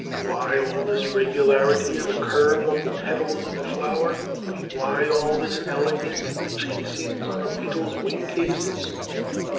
Why all this regularity in the curve of the petals of a flower, why all this elegance in the chasings on a Beetle's wing cases?